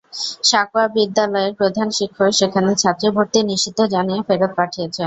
সাঁকোয়া বিদ্যালয়ের প্রধান শিক্ষক সেখানে ছাত্রী ভর্তি নিষিদ্ধ জানিয়ে ফেরত পাঠিয়েছেন।